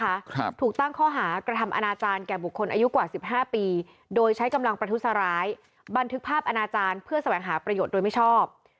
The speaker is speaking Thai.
ครับถูกตั้งข้อหากระทำอนาจารย์แก่บุคคลอายุกว่าสิบห้าปีโดยใช้กำลังประทุษร้ายบันทึกภาพอนาจารย์เพื่อแสวงหาประโยชน์โดยไม่ชอบ